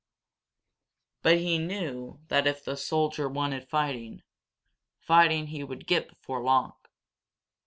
But he knew that if the soldier wanted fighting, fighting he would get before long.